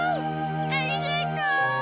ありがとう！